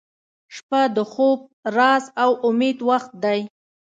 • شپه د خوب، راز، او امید وخت دی